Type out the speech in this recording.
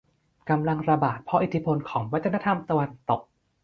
กำลังระบาดเพราะอิทธิพลของวัฒนธรรมตะวันตก